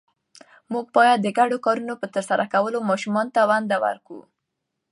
موږ باید د ګډو کارونو په ترسره کولو ماشومانو ته ونډه ورکړو